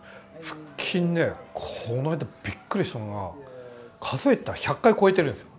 腹筋ねこの間びっくりしたのが数えたら１００回超えてるんですよ。